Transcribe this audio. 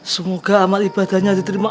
semoga amat ibadahnya diterima